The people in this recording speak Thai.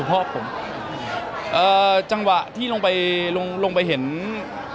เออจังหวะที่ลงไปเห็นพ่อคุณนะ